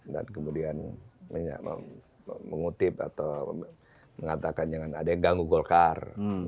dan kemudian mengutip atau mengatakan jangan ada yang ganggu golkar